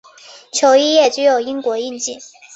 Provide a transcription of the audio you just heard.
球衣也具有英国印记。